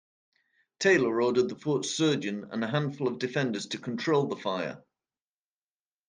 Taylor ordered the fort's surgeon and a handful of defenders to control the fire.